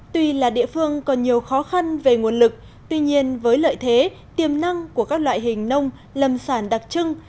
tuy là địa phương còn nhiều khó khăn về nguồn lực tuy nhiên với lợi thế tiềm năng của các loại hình nông lâm sản đặc trưng